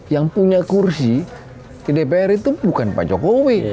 yang punya kursi di dpr itu bukan pak jokowi